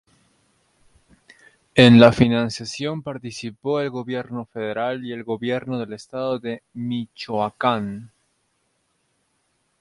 En la financiación participó el gobierno federal y el gobierno del estado de Michoacán.